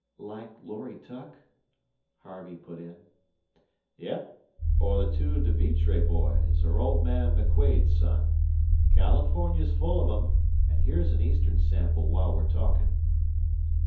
"Like Lorry Tuck?" Harvey put in. "Yep; or the two De Vitre boys or old man McQuade's son. California's full of 'em, and here's an Eastern sample while we're talking."